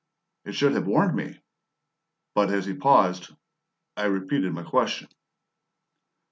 It should have warned me, but, as he paused, I repeated my question.